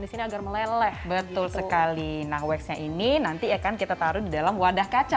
di sini agar meleleh betul sekali nah waxnya ini nanti akan kita taruh di dalam wadah kaca